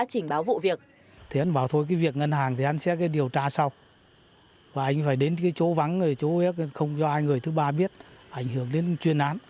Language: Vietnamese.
chỉnh báo vụ việc